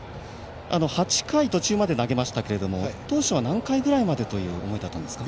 ８回途中まで投げましたが当初は何回くらいという思いだったんですか。